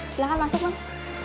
silahkan masuk mas